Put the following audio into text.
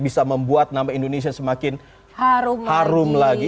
bisa membuat nama indonesia semakin harum lagi